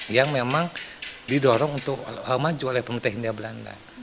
yang memang didorong untuk maju oleh pemerintah hindia belanda